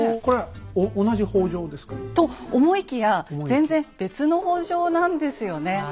これは同じ北条ですか？と思いきや全然別の北条なんですよね。